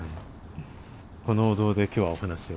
このお堂で今日はお話を。